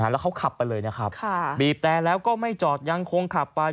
แล้วเขาขับไปเลยนะครับบีบแต่แล้วก็ไม่จอดยังคงขับไป